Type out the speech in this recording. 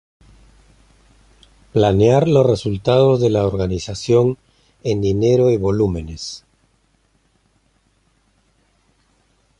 Planear los resultados de la organización en dinero y volúmenes.